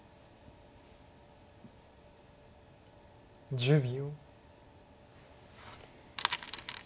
１０秒。